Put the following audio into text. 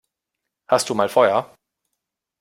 Hast du mal Feuer?